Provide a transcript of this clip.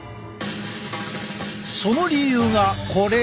その理由がこれ。